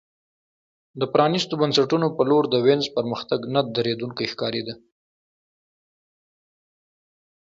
د پرانیستو بنسټونو په لور د وینز پرمختګ نه درېدونکی ښکارېده